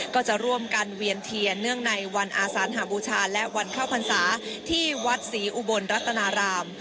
ก็จะร่วมกันเวียนเทียนเนื่องในวันอาสานหาบูชาและวันเข้าพรรษาที่วัดศรีอุบลรัตนาราม